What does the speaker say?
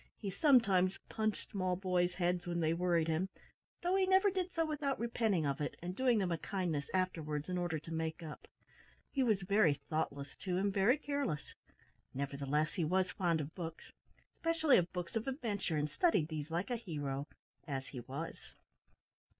He sometimes punched small boys' heads when they worried him, though he never did so without repenting of it, and doing them a kindness afterwards in order to make up. He was very thoughtless, too, and very careless; nevertheless he was fond of books specially of books of adventure and studied these like a hero as he was.